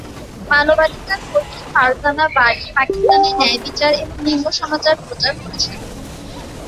মানবাধিকার কর্মী ফারজানা বারি পাকিস্তানে ন্যায়বিচার এবং লিঙ্গ সমতার প্রচার করেছেন।